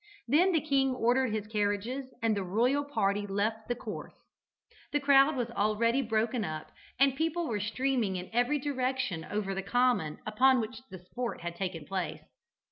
Then the king ordered his carriages and the royal party left the course. The crowd was already broken up, and people were streaming in every direction over the common upon which the sport had taken place.